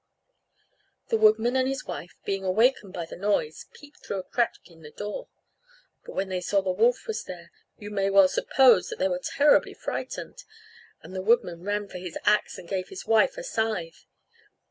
"] The woodman and his wife, being awakened by the noise, peeped through a crack in the door; but when they saw that the wolf was there, you may well suppose that they were terribly frightened; and the woodman ran for his axe, and gave his wife a scythe.